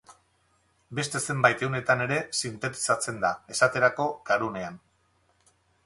Beste zenbait ehunetan ere sintetizatzen da, esaterako, garunean.